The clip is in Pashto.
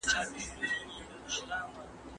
تعصب د پوهې په وړاندې لوی خنډ دی.